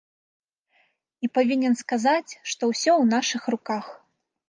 І павінен сказаць, што ўсё ў нашых руках.